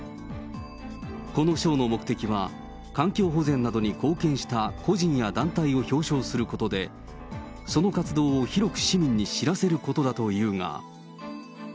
この賞の目的は、環境保全などに貢献した個人や団体を表彰することで、その活動を広く市民に知らせることだというが。